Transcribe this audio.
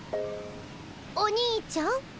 「お兄ちゃん」？